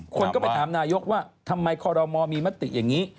คนก็ไปถามนายกว่าทำไมคอรมอลมีมติอย่างนี้